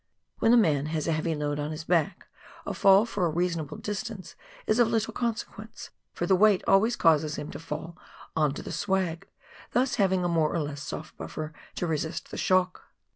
When a man has a heavy load on his back, a fall for a reasonable dis tance is of little consequence, for the weight always causes him to fall on the " swag," thus having a more or less soft buffer to resist the shock.